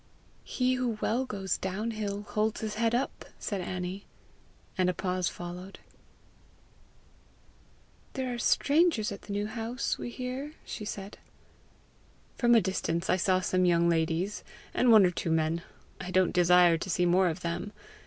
"He who well goes down hill, holds his head up!" said Annie, and a pause followed. "There are strangers at the New House, we hear," she said. "From a distance I saw some young ladies, and one or two men. I don't desire to see more of them.